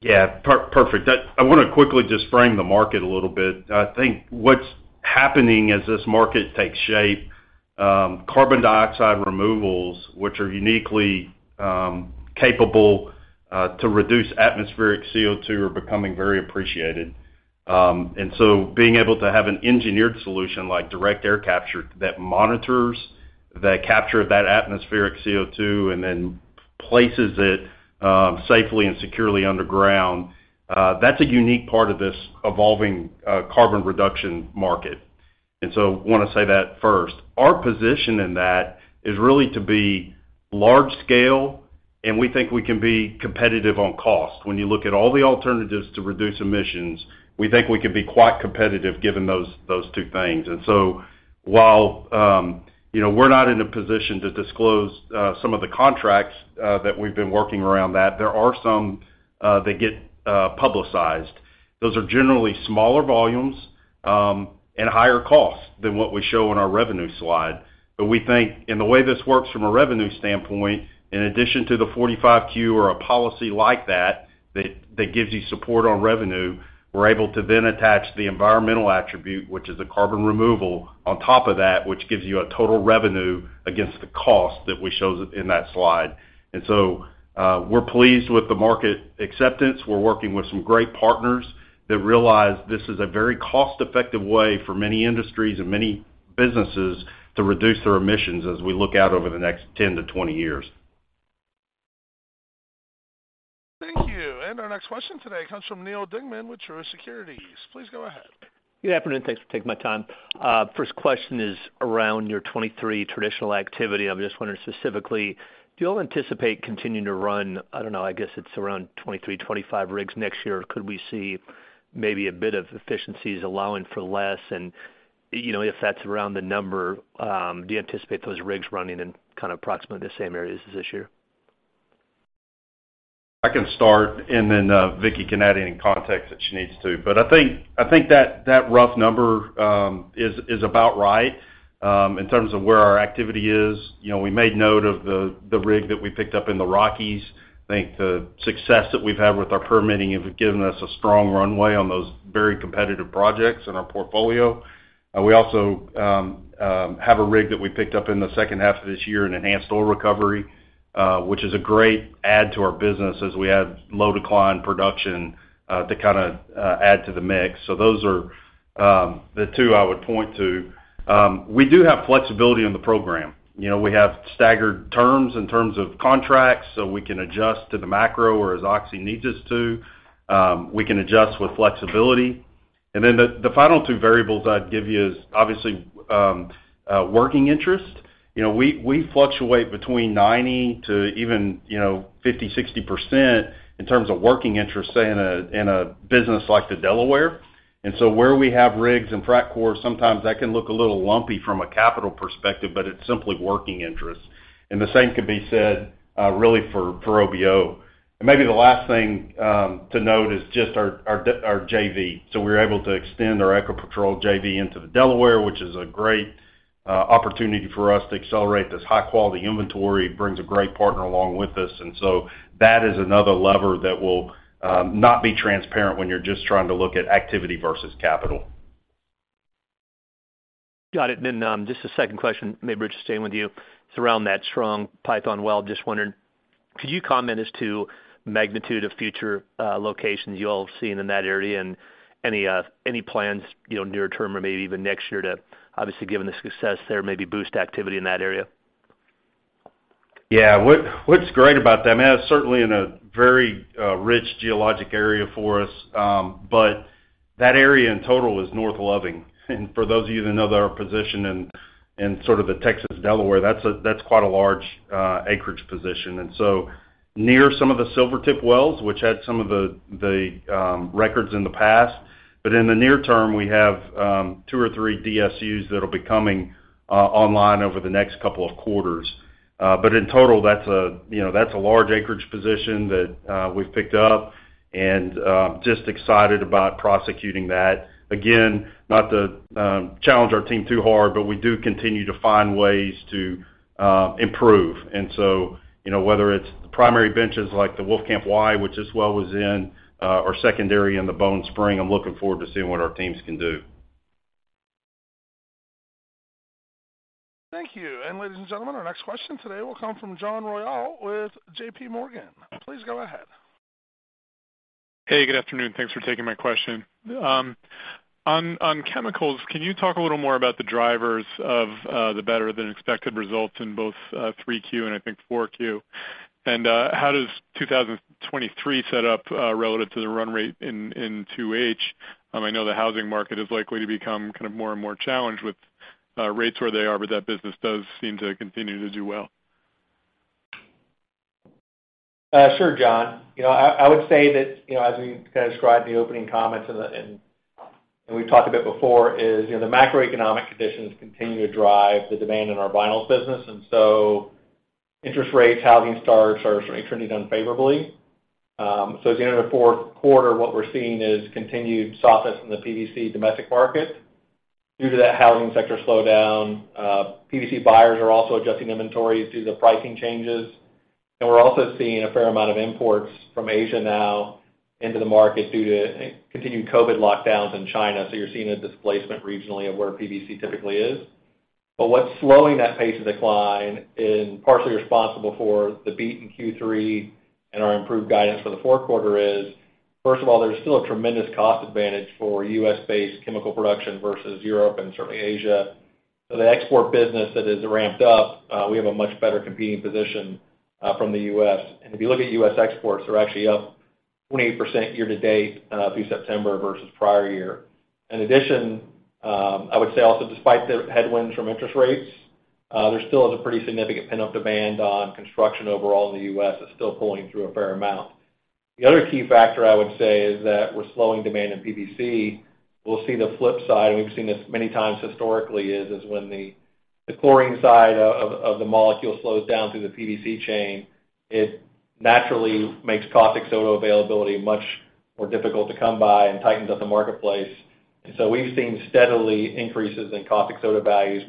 Yeah. Perfect. I wanna quickly just frame the market a little bit. I think what's happening as this market takes shape, carbon dioxide removals, which are uniquely capable to reduce atmospheric CO2, are becoming very appreciated. Being able to have an engineered solution like Direct Air Capture that monitors the capture of that atmospheric CO2 and then places it safely and securely underground, that's a unique part of this evolving carbon reduction market. I wanna say that first. Our position in that is really to be large scale, and we think we can be competitive on cost. When you look at all the alternatives to reduce emissions, we think we could be quite competitive given those two things. While, you know, we're not in a position to disclose some of the contracts that we've been working around that, there are some that get publicized. Those are generally smaller volumes and higher costs than what we show in our revenue slide. We think in the way this works from a revenue standpoint, in addition to the 45Q or a policy like that gives you support on revenue. We're able to then attach the environmental attribute, which is a carbon removal on top of that, which gives you a total revenue against the cost that we showed in that slide. We're pleased with the market acceptance. We're working with some great partners that realize this is a very cost-effective way for many industries and many businesses to reduce their emissions as we look out over the next 10-20 years. Thank you. Our next question today comes from Neal Dingmann with Truist Securities. Please go ahead. Good afternoon, thanks for taking the time. First question is around your 2023 traditional activity. I'm just wondering specifically, do you all anticipate continuing to run, I don't know, I guess it's around 23, 25 rigs next year? Could we see maybe a bit of efficiencies allowing for less? You know, if that's around the number, do you anticipate those rigs running in kind of approximately the same areas as this year? I can start, and then, Vicki can add any context that she needs to. I think that rough number is about right in terms of where our activity is. You know, we made note of the rig that we picked up in the Rockies. I think the success that we've had with our permitting have given us a strong runway on those very competitive projects in our portfolio. We also have a rig that we picked up in the second half of this year in enhanced oil recovery, which is a great add to our business as we add low decline production to kinda add to the mix. Those are the two I would point to. We do have flexibility in the program. You know, we have staggered terms in terms of contracts, so we can adjust to the macro or as Oxy needs us to. We can adjust with flexibility. Then the final two variables I'd give you is obviously working interest. You know, we fluctuate between 90 to even 50-60% in terms of working interest, say, in a business like the Delaware. So where we have rigs and frac crews, sometimes that can look a little lumpy from a capital perspective, but it's simply working interest. The same could be said, really for OBO. Maybe the last thing to note is just our JV. We're able to extend our Ecopetrol JV into the Delaware, which is a great opportunity for us to accelerate this high-quality inventory. It brings a great partner along with us. That is another lever that will not be transparent when you're just trying to look at activity versus capital. Got it. Just a second question, maybe just staying with you. It's around that strong Python Well. Just wondering, could you comment as to magnitude of future locations you all have seen in that area and any plans, you know, near term or maybe even next year to, obviously, given the success there, maybe boost activity in that area? Yeah. What's great about that's certainly in a very rich geologic area for us. That area in total is North Loving. For those of you that know their position in sort of the Texas Delaware, that's quite a large acreage position. Near some of the Silvertip wells, which had some of the records in the past, but in the near term, we have two or three DSUs that'll be coming online over the next couple of quarters. In total, that's a large acreage position that we've picked up, and just excited about prosecuting that. Again, not to challenge our team too hard, but we do continue to find ways to improve. You know, whether it's the primary benches like the Wolfcamp Y, which this well was in, or secondary in the Bone Spring, I'm looking forward to seeing what our teams can do. Thank you. Ladies and gentlemen, our next question today will come from John Royall with JPMorgan. Please go ahead. Hey, good afternoon. Thanks for taking my question. On chemicals, can you talk a little more about the drivers of the better-than-expected results in both 3Q and I think 4Q? How does 2023 set up relative to the run rate in 2H? I know the housing market is likely to become kind of more and more challenged with rates where they are, but that business does seem to continue to do well. Sure, John. You know, I would say that, you know, as we kind of described in the opening comments and we've talked a bit before, is, you know, the macroeconomic conditions continue to drive the demand in our vinyls business. Interest rates, housing starts are sort of trending unfavorably. At the end of the fourth quarter, what we're seeing is continued softness in the PVC domestic market due to that housing sector slowdown. PVC buyers are also adjusting inventories due to the pricing changes. We're also seeing a fair amount of imports from Asia now into the market due to, I think, continued COVID lockdowns in China. You're seeing a displacement regionally of where PVC typically is. What's slowing that pace of decline and partially responsible for the beat in Q3 and our improved guidance for the fourth quarter is, first of all, there's still a tremendous cost advantage for U.S.-based chemical production versus Europe and certainly Asia. The export business that has ramped up, we have a much better competing position, from the U.S. If you look at U.S. exports, they're actually up 28% year to date, through September versus prior year. In addition, I would say also despite the headwinds from interest rates, there still is a pretty significant pent-up demand on construction overall in the U.S. It's still pulling through a fair amount. The other key factor I would say is that we're slowing demand in PVC. We'll see the flip side, and we've seen this many times historically, is when the chlorine side of the molecule slows down through the PVC chain, it naturally makes caustic soda availability much more difficult to come by and tightens up the marketplace. We've seen steady increases in caustic soda values,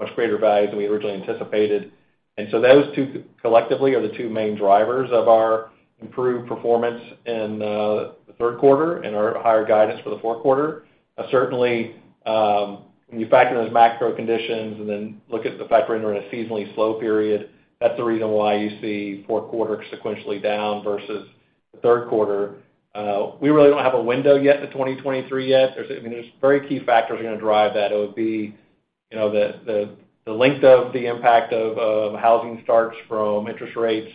much greater values than we originally anticipated. Those two collectively are the two main drivers of our improved performance in the third quarter and our higher guidance for the fourth quarter. Certainly, when you factor those macro conditions and then look at the fact we're entering a seasonally slow period, that's the reason why you see fourth quarter sequentially down versus the third quarter. We really don't have a window yet to 2023. I mean, there are very key factors gonna drive that. It would be the length of the impact of housing starts from interest rates,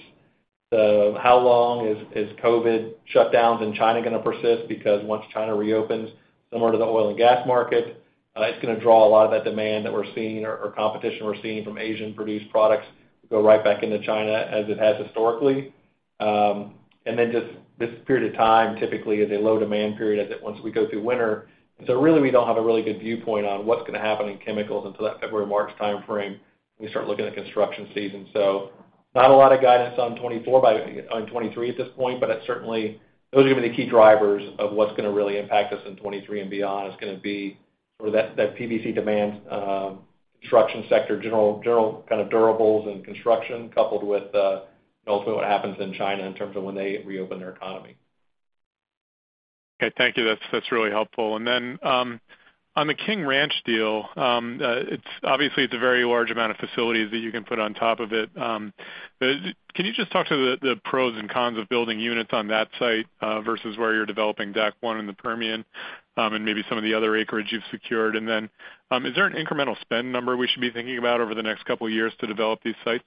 how long is COVID shutdowns in China gonna persist because once China reopens, similar to the oil and gas market, it's gonna draw a lot of that demand that we're seeing or competition we're seeing from Asian-produced products go right back into China as it has historically. Just this period of time typically is a low demand period once we go through winter. Really, we don't have a really good viewpoint on what's gonna happen in chemicals until that February, March timeframe, we start looking at construction season. Not a lot of guidance on 2024, but on 2023 at this point, but that's certainly those are gonna be the key drivers of what's gonna really impact us in 2023 and beyond. It's gonna be sort of that PVC demand, construction sector, general kind of durables and construction coupled with, you know, also what happens in China in terms of when they reopen their economy. Okay. Thank you. That's really helpful. On the King Ranch deal, it's obviously a very large amount of facilities that you can put on top of it. Can you just talk to the pros and cons of building units on that site versus where you're developing DAC One in the Permian, and maybe some of the other acreage you've secured? Is there an incremental spend number we should be thinking about over the next couple years to develop these sites?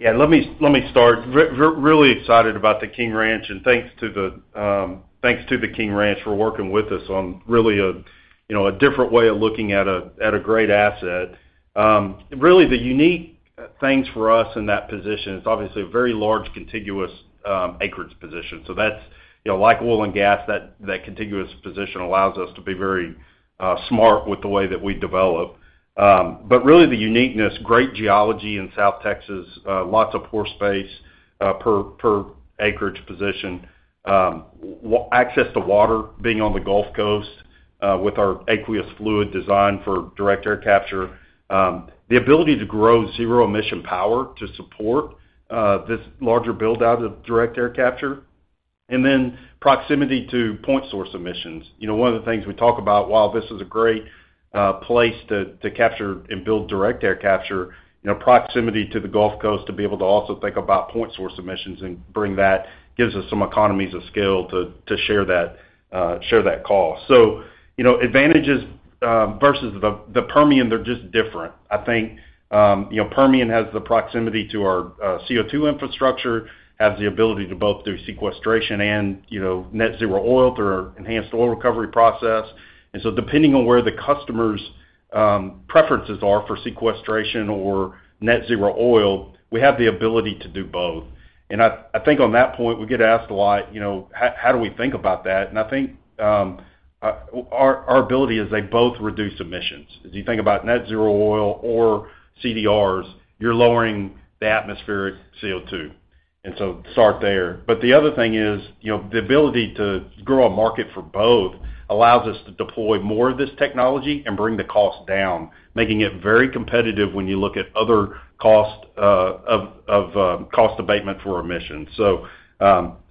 Yeah. Let me start. Really excited about the King Ranch, and thanks to the King Ranch for working with us on really a, you know, a different way of looking at a great asset. Really the unique things for us in that position, it's obviously a very large contiguous acreage position. That's, you know, like oil and gas, that contiguous position allows us to be very smart with the way that we develop. Really the uniqueness, great geology in South Texas, lots of pore space per acreage position. With access to water being on the Gulf Coast, with our aqueous fluid design for Direct Air Capture. The ability to grow zero emission power to support this larger build-out of Direct Air Capture. Proximity to point source emissions. You know, one of the things we talk about, while this is a great place to capture and build direct air capture, you know, proximity to the Gulf Coast to be able to also think about point source emissions and bring that gives us some economies of scale to share that cost. You know, advantages versus the Permian, they're just different. I think, you know, Permian has the proximity to our CO2 infrastructure, has the ability to both do sequestration and, you know, net zero oil through our enhanced oil recovery process. Depending on where the customer's preferences are for sequestration or net zero oil, we have the ability to do both. I think on that point, we get asked a lot, you know, how do we think about that? I think our ability is they both reduce emissions. As you think about net-zero oil or CDRs, you're lowering the atmospheric CO2. Start there. The other thing is, you know, the ability to grow a market for both allows us to deploy more of this technology and bring the cost down, making it very competitive when you look at other cost of cost abatement for emissions. So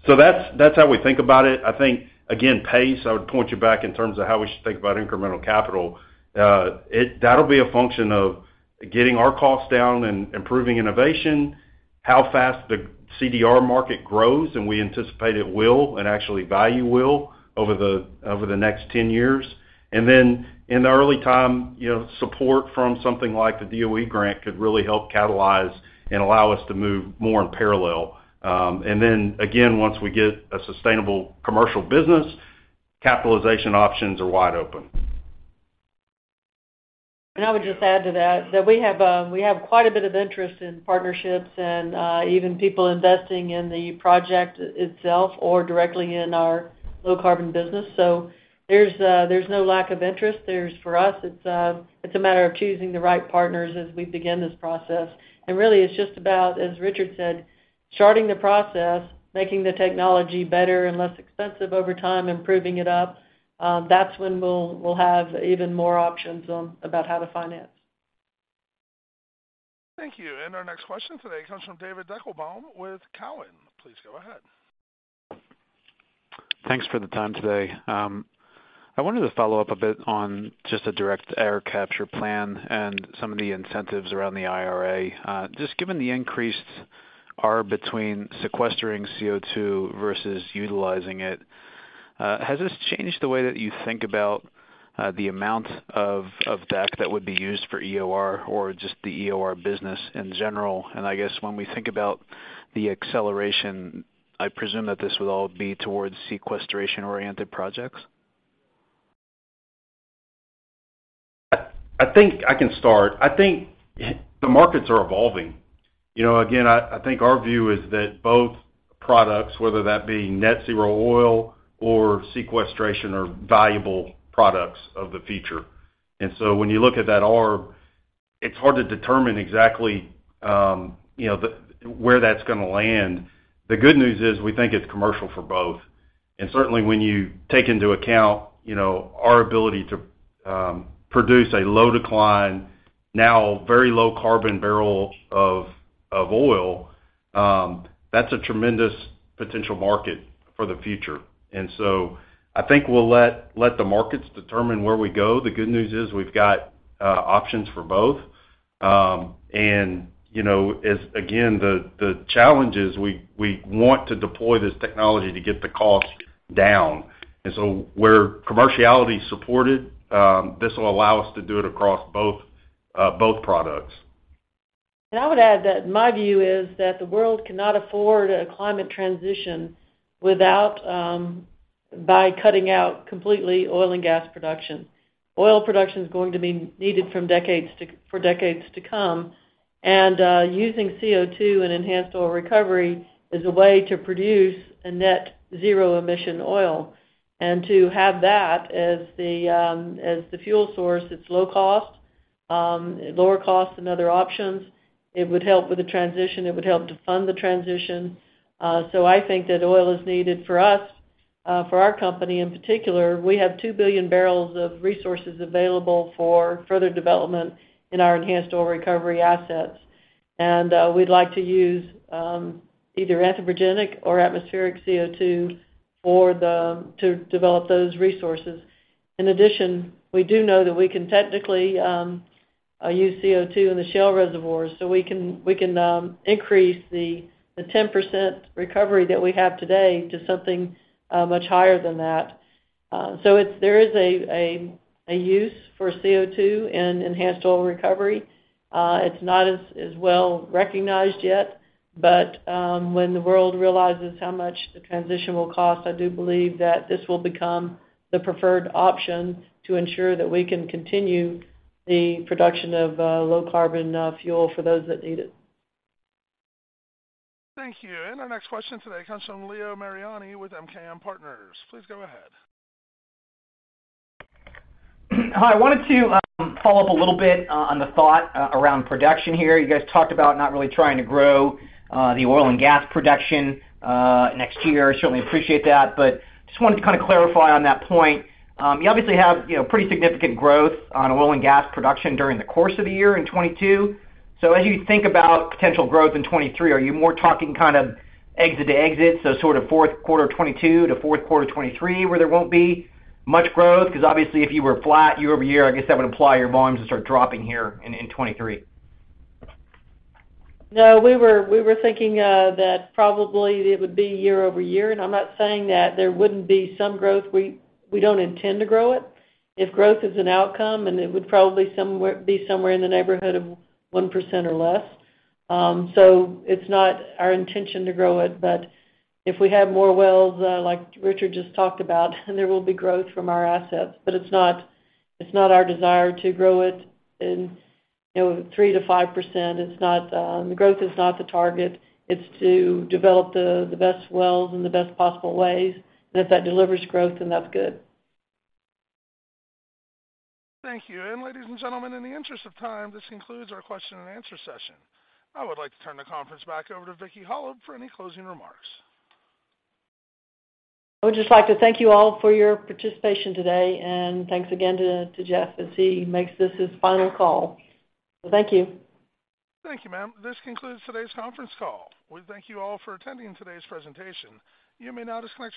that's how we think about it. I think, again, PACE, I would point you back in terms of how we should think about incremental capital. That'll be a function of getting our costs down and improving innovation, how fast the CDR market grows, and we anticipate it will, and actually value will over the next 10 years. In the early time, you know, support from something like the DOE grant could really help catalyze and allow us to move more in parallel. Once we get a sustainable commercial business, capitalization options are wide open. I would just add to that we have quite a bit of interest in partnerships and even people investing in the project itself or directly in our low carbon business. There's no lack of interest. There's, for us, it's a matter of choosing the right partners as we begin this process. Really it's just about, as Richard said, starting the process, making the technology better and less expensive over time, improving it up, that's when we'll have even more options on about how to finance. Thank you. Our next question today comes from David Deckelbaum with Cowen. Please go ahead. Thanks for the time today. I wanted to follow up a bit on just the direct air capture plan and some of the incentives around the IRA. Just given the increased arb between sequestering CO2 versus utilizing it, has this changed the way that you think about the amount of DAC that would be used for EOR or just the EOR business in general? I guess when we think about the acceleration, I presume that this would all be towards sequestration-oriented projects. I think I can start. I think the markets are evolving. You know, again, I think our view is that both products, whether that be net-zero oil or sequestration, are valuable products of the future. When you look at that arb, it's hard to determine exactly, you know, where that's gonna land. The good news is we think it's commercial for both. Certainly, when you take into account, you know, our ability to produce a low decline, now very low carbon barrel of oil, that's a tremendous potential market for the future. I think we'll let the markets determine where we go. The good news is we've got options for both. You know, as, again, the challenge is we want to deploy this technology to get the cost down. Where commerciality is supported, this will allow us to do it across both products. I would add that my view is that the world cannot afford a climate transition without by cutting out completely oil and gas production. Oil production is going to be needed for decades to come. Using CO2 and enhanced oil recovery is a way to produce a net zero emission oil. To have that as the fuel source, it's low cost, lower cost than other options. It would help with the transition. It would help to fund the transition. I think that oil is needed for us, for our company in particular. We have 2 billion bbl of resources available for further development in our enhanced oil recovery assets. We'd like to use either anthropogenic or atmospheric CO2 to develop those resources. In addition, we do know that we can technically use CO2 in the shale reservoirs, so we can increase the 10% recovery that we have today to something much higher than that. There is a use for CO2 in enhanced oil recovery. It's not as well-recognized yet, but when the world realizes how much the transition will cost, I do believe that this will become the preferred option to ensure that we can continue the production of low carbon fuel for those that need it. Thank you. Our next question today comes from Leo Mariani with MKM Partners. Please go ahead. Hi. I wanted to follow up a little bit on the thought around production here. You guys talked about not really trying to grow the oil and gas production next year. Certainly appreciate that, but just wanted to kinda clarify on that point. You obviously have, you know, pretty significant growth on oil and gas production during the course of the year in 2022. As you think about potential growth in 2023, are you more talking kind of exit to exit, so sort of fourth quarter 2022 to fourth quarter 2023, where there won't be much growth? 'Cause obviously, if you were flat year over year, I guess that would imply your volumes would start dropping here in 2023. No, we were thinking that probably it would be year-over-year. I'm not saying that there wouldn't be some growth. We don't intend to grow it. If growth is an outcome, it would probably be somewhere in the neighborhood of 1% or less. It's not our intention to grow it. If we have more wells, like Richard just talked about, then there will be growth from our assets, but it's not our desire to grow it in, you know, 3%-5%. The growth is not the target. It's to develop the best wells in the best possible ways. If that delivers growth, then that's good. Thank you. Ladies and gentlemen, in the interest of time, this concludes our question and answer session. I would like to turn the conference back over to Vicki Hollub for any closing remarks. I would just like to thank you all for your participation today, and thanks again to Jeff as he makes this his final call. Thank you. Thank you, ma'am. This concludes today's conference call. We thank you all for attending today's presentation. You may now disconnect your lines.